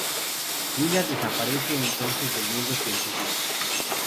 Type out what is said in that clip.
Willard desaparece entonces del mundo científico.